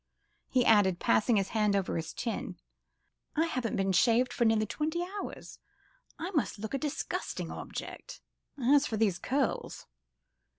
he added, passing his hand over his chin, "I haven't been shaved for nearly twenty hours: I must look a disgusting object. As for these curls